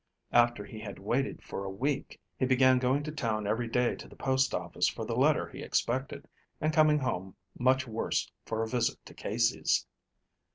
After he had waited for a week, he began going to town every day to the post office for the letter he expected, and coming home much worse for a visit to Casey's.